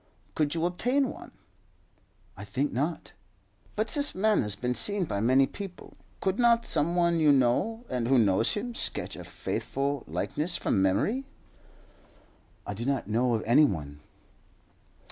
"Could you obtain one?" "I think not." "But this man has been seen by many people. Could not some one you know, and who knows him, sketch a faithful likeness from memory?" "I do not know of any one."